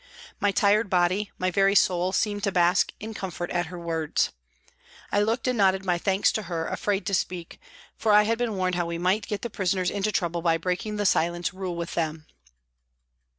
My tired body, my very soul, seemed to bask in comfort at her words. I looked and nodded my thanks to her, afraid to speak, for I had been warned how we might get the prisoners into trouble by breaking the silence rule with them.